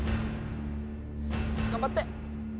頑張って！